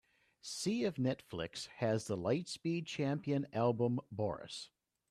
See if Netflix has the Lightspeed Champion album boris